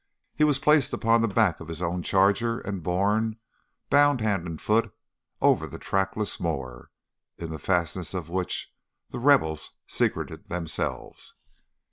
He was placed upon the back of his own charger and borne, bound hand and foot, over the trackless moor, in the fastnesses of which the rebels secreted themselves.